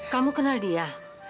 kamu kenal dia